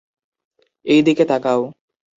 এই দিকে তাকাও।